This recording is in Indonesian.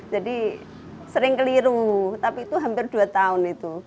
jadi sering keliru tapi itu hampir dua tahun itu